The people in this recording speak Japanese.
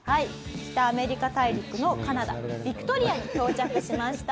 北アメリカ大陸のカナダビクトリアに到着しました。